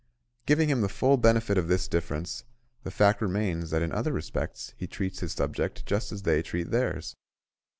Giving him the full benefit of this difference, the fact remains that in other respects he treats his subject just as they treat theirs.